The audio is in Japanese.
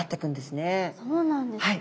そうなんですね。